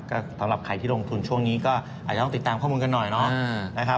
ก็สำหรับใครที่ลงทุนช่วงนี้ก็อาจจะต้องติดตามข้อมูลกันหน่อยเนาะนะครับ